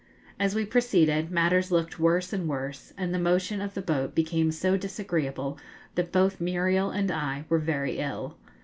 As we proceeded matters looked worse and worse, and the motion of the boat became so disagreeable that both Muriel and I were very ill.